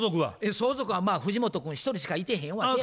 相続は藤本君一人しかいてへんわけや。